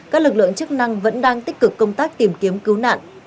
các lực lượng chức năng vẫn đang tích cực công tác tìm kiếm cứu nạn